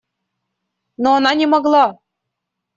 Но она не могла.